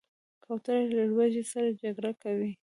کوتره له لوږې سره جګړه کوي.